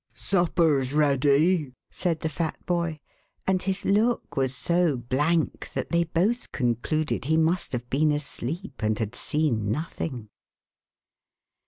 "Supper's ready," said the fat boy, and his look was so blank that they both concluded he must have been asleep and had seen nothing.